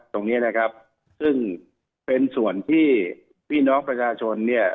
ตรงนี้นะครับซึ่งเป็นส่วนที่พี่น้องประชาชนเนี่ย